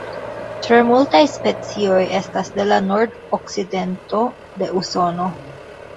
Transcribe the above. Tre multaj specioj estas de la nordokcidento de Usono.